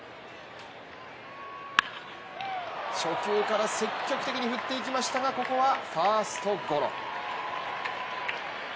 初球から積極的に振っていきましたが、ここはファーストゴロ。